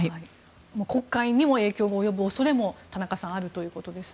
黒海にも影響が及ぶ恐れも田中さんあるということですね。